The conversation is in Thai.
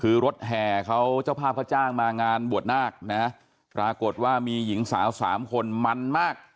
คือรถแห่เขาเจ้าภาพเขาจ้างมางานบวชนาคนะปรากฏว่ามีหญิงสาวสามคนมันมาก